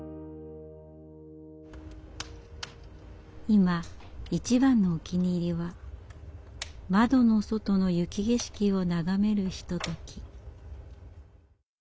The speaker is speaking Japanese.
今一番のお気に入りは窓の外の雪景色を眺めるひととき。